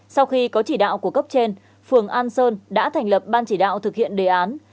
sau khi có chỉ đạo của cấp trên phường an sơn đã thành lập ban chỉ đạo thực hiện đề án